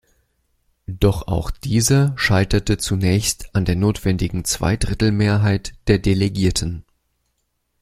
Doch auch dieser scheiterte zunächst an der notwendigen Zweidrittelmehrheit der Delegierten.